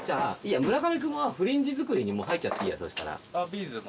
や村上君はフリンジ作りにもう入っちゃっていいやそしたらあっビーズの？